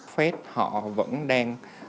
phép họ vẫn đang